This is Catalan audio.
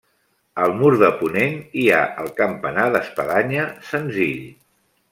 Al mur de ponent hi ha el campanar d'espadanya, senzill.